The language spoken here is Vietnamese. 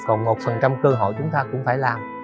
còn một phần trăm cơ hội chúng ta cũng phải làm